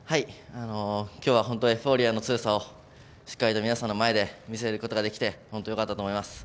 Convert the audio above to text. きょうはエフフォーリアの強さをしっかりと皆さんの前で見せれることができて本当よかったと思います。